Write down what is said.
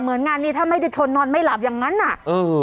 งานนี้ถ้าไม่ได้ชนนอนไม่หลับอย่างนั้นอ่ะเออ